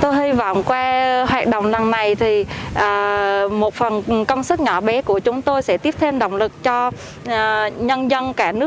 tôi hy vọng qua hoạt động lần này thì một phần công sức nhỏ bé của chúng tôi sẽ tiếp thêm động lực cho nhân dân cả nước